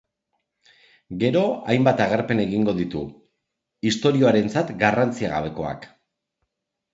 Gero hainbat agerpen egingo ditu istorioarentzat garrantzia gabekoak.